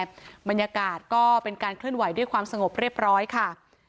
บรรยากาศก็เป็นการเคลื่อนไหวด้วยความสงบเรียบร้อยค่ะ